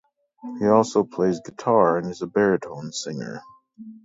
He also plays guitar and is a baritone singer.